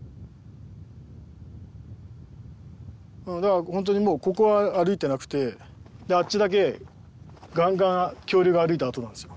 だから本当にもうここは歩いてなくてあっちだけガンガン恐竜が歩いた跡なんですよ。